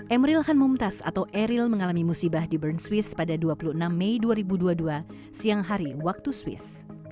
emeril hanmumtaz atau eril mengalami musibah di bern swiss pada dua puluh enam mei dua ribu dua puluh dua siang hari waktu swiss